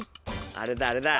あれだあれだ。